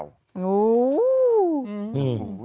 โอ้โห